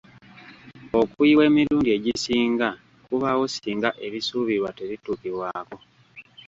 Okuyiwa emirundi egisinga kubaawo singa ebisuubirwa tebituukibwako.